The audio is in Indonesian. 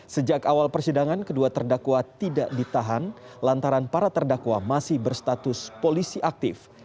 sejak awal persidangan kedua terdakwa tidak ditahan lantaran para terdakwa masih berstatus polisi aktif